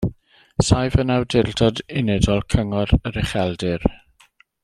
Saif yn Awdurdod Unedol Cyngor yr Ucheldir.